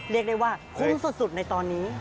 เรียกได้ว่าคุ้มสุดในตอนนี้